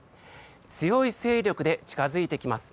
強い勢力で近付いてきます。